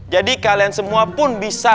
jadi kalian semua pun bisa